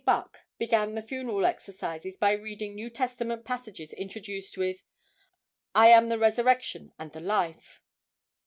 Buck began the funeral exercises by reading New Testament passages introduced with "I am the resurrection and the life."